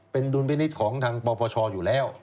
เป็นดุลพินิษฐ์ของทางปปชอยู่แล้ว